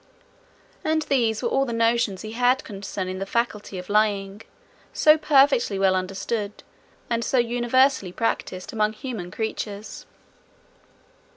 And these were all the notions he had concerning that faculty of lying, so perfectly well understood, and so universally practised, among human creatures.